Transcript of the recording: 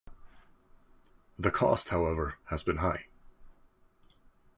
The cost, however, has been high.